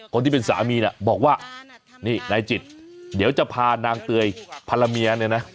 คนที่เป็นสามีน่ะบอกว่านี่นายจิตเดี๋ยวจะพานางเตยภรรยาเนี่ยนะ